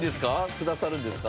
くださるんですか？